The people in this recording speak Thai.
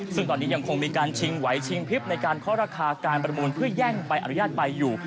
ซึ่งตอนนี้ยังคงมีการชิงไหวชิงพลิบในการเคาะราคาการประมูลเพื่อแย่งใบอนุญาตไปอยู่